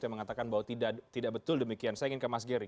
yang mengatakan bahwa tidak betul demikian saya ingin ke mas gery